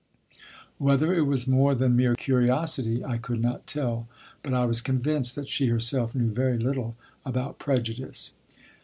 Whether it was more than mere curiosity I could not tell, but I was convinced that she herself knew very little about prejudice.